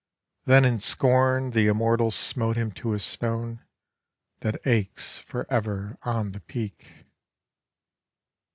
Then in scorn Th' Immortals smote him to a Stone That aches for ever on the Peak.